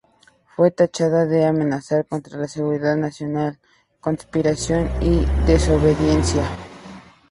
Fue tachada de amenaza contra la seguridad nacional, conspiración y desobediencia.